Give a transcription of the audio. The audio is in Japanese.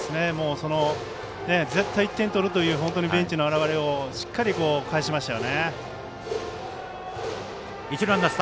その絶対１点取るというベンチの表れをしっかり返しましたよね。